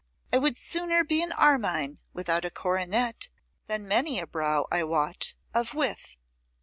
I would sooner be an Armine without a coronet than many a brow I wot of with.